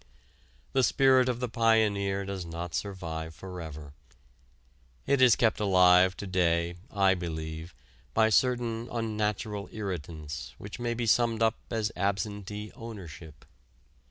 The spirit of the pioneer does not survive forever: it is kept alive to day, I believe, by certain unnatural irritants which may be summed up as absentee ownership.